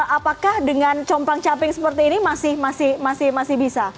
apakah dengan compang caping seperti ini masih bisa